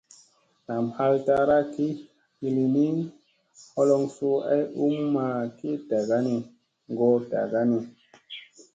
Nam ɦal taara ki ɦilini, holoŋ suu ay ummaki dagani ngoo daga ni.